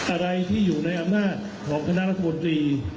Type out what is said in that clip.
อะไรที่อยู่ในอำนาจของคณะรัฐมนตรี